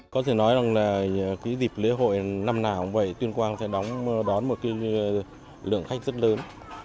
có thể nói là dịp lễ hội năm nào cũng vậy tuyên quang sẽ đón một lượng khách rất lớn